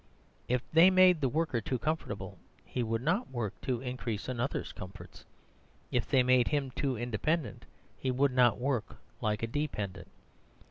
If they made the worker too comfortable, he would not work to increase another's comforts; if they made him too independent, he would not work like a dependent.